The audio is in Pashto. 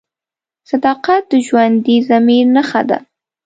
صداقت د ژوندي ضمیر نښه ده.